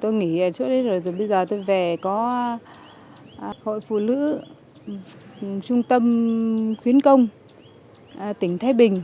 tôi nghỉ ở chỗ đấy rồi bây giờ tôi về có hội phụ nữ trung tâm khuyến công tỉnh thái bình